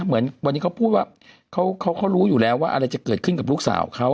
เหมือนวันนี้เขาพูดว่าเขารู้อยู่แล้วว่าอะไรจะเกิดขึ้นกับลูกสาวเขา